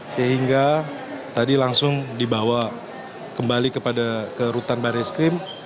sehingga tadi langsung dibawa kembali ke rutan baris krim